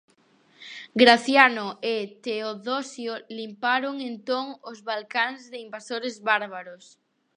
Graciano e Teodosio limparon entón os Balcáns de invasores bárbaros.